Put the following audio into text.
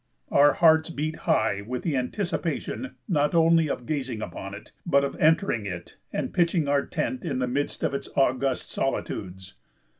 Our hearts beat high with the anticipation not only of gazing upon it but of entering it and pitching our tent in the midst of its august solitudes.